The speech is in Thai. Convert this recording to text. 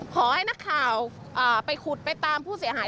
ขอให้นักข่าวไปขุดไปตามผู้เสียหาย